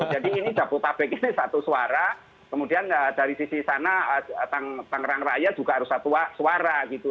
jadi ini jabodetabek ini satu suara kemudian dari sisi sana tangerang raya juga harus satu suara gitu